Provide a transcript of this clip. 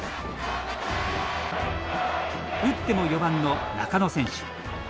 打っても４番の中野選手。